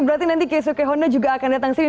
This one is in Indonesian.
berarti nanti keisuke honda juga akan datang ke sini